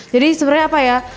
jadi sebenernya apa ya